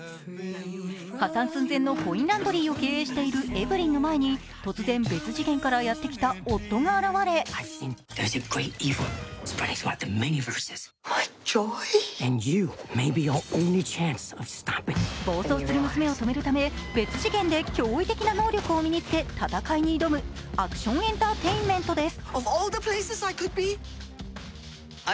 破綻寸前のコインランドリーを経営しているエヴリンの前に突然別次元からやってきた夫が現れ暴走する娘を止めるため、別次元で驚異的な能力を身に付け、戦いに挑むアクションエンターテインメントです。